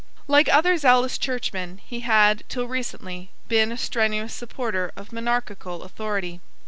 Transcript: Like other zealous churchmen, he had, till recently, been a strenuous supporter of monarchical authority.